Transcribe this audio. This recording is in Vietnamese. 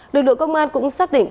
lực lượng công an cũng xác định